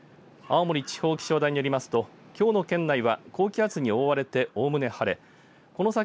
青森地方気象台によりますときょうの県内は高気圧に覆われておおむね晴れこの先